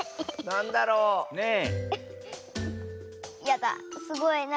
なんだろう？え。え？